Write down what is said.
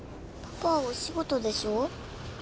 パパはお仕事でしょ？